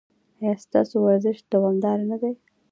ایا ستاسو ورزش دوامدار نه دی؟